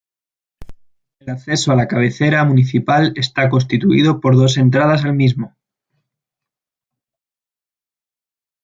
El acceso a la cabecera municipal está constituido por dos entradas al mismo.